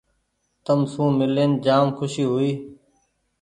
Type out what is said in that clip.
تم سون مي لين جآم کوشي هوئي ۔